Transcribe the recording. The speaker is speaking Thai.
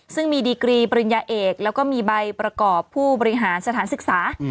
ซึ่งมีดีกรีปริญญาเอกแล้วก็มีใบประกอบผู้บริหารสถานศึกษา